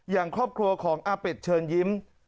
อย่างครอบครัวของอาเป็ดเชิญยิ้ม